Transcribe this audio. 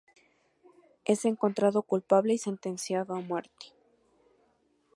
Es encontrado culpable y sentenciado a muerte.